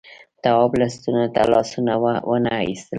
تواب لستونو ته لاسونه وننه ایستل.